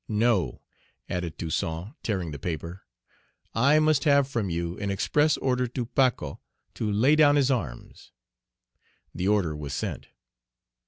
"No," added Toussaint, tearing the paper; "I must have from you an express order to Pacot, to lay down his arms." The order was sent.